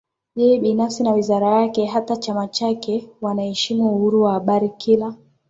yeye binafsi na wizara yake na hata chama chake wanaheshimu Uhuru wa Habari kila